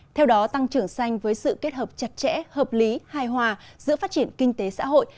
theo đó tăng trưởng xanh với sự kết hợp chặt chẽ hợp lý hài hòa giữa phát triển kinh tế xã hội